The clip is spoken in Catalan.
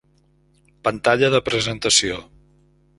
Pantalla de Presentació: